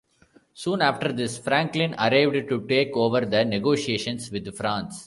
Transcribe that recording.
Soon after this, Franklin arrived to take over the negotiations with France.